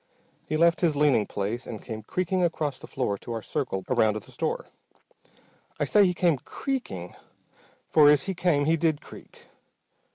He left his leaning place, and came creaking across the floor to our circle around the store. I say he came "creaking" for as he came he did creak.